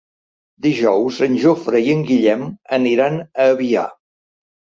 Dijous en Jofre i en Guillem aniran a Avià.